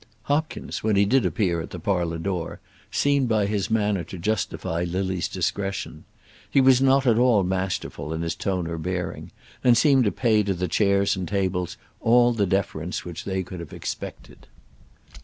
Hopkins, when he did appear at the parlour door, seemed by his manner to justify Lily's discretion. He was not at all masterful in his tone or bearing, and seemed to pay to the chairs and tables all the deference which they could have expected.